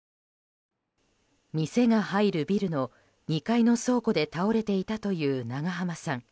店が入るビルの２階の倉庫で倒れていたという長濱さん。